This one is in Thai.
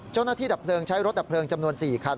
เจ้าหน้าที่ดับเพลิงใช้รถดับเพลิงจำนวน๔คัน